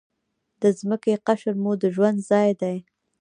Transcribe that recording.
د ځمکې قشر مو د ژوند ځای دی.